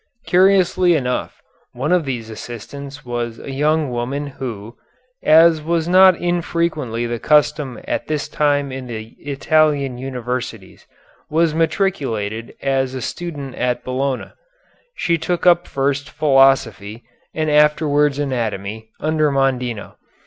Curiously enough, one of these assistants was a young woman who, as was not infrequently the custom at this time in the Italian universities, was matriculated as a student at Bologna. She took up first philosophy, and afterwards anatomy, under Mondino.